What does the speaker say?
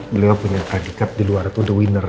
beliau punya predikat di luar itu the winner